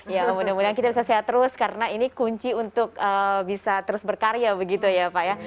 ya mudah mudahan kita bisa sehat terus karena ini kunci untuk bisa terus berkarya begitu ya pak ya